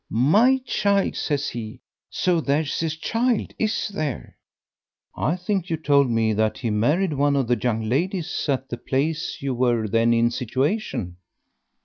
'My child!' says he. 'So there's a child, is there?'" "I think you told me that he married one of the young ladies at the place you were then in situation?"